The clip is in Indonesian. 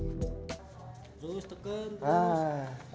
terus tekan terus